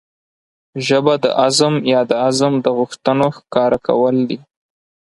ژبه د عزم يا د عزم د غوښتنو ښکاره کول دي.